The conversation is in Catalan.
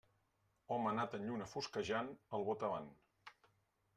Home nat en lluna fosquejant, al botavant.